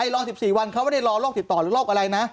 รอ๑๔วันเขาไม่ได้รอโรคติดต่อหรือโรคอะไรนะ